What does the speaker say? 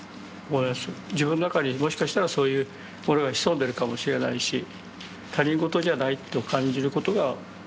自分の中にもしかしたらそういうものが潜んでるかもしれないし他人事じゃないと感じることが。